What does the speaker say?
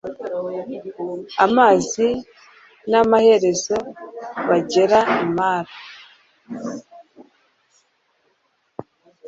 amazi n Amaherezo bagera i Mara